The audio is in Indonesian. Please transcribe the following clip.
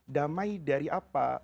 damai dari apa